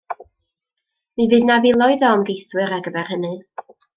Mi fydd na filoedd o ymgeiswyr ar gyfer hynny!